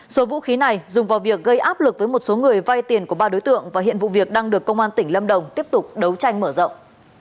số vũ khí này dùng vào việc gây áp lực với một số người vay tiền của ba đối tượng và hiện vụ việc đang được công an tỉnh lâm đồng tiếp tục đấu tranh mở rộng